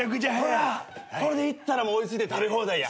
これでいったらもう追い付いて食べ放題や。